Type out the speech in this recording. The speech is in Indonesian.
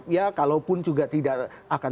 ya kalau pun juga tidak akan